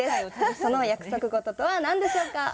その約束事とは何でしょうか？